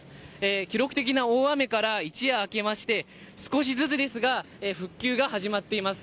記録的な大雨から一夜明けまして、少しずつですが、復旧が始まっています。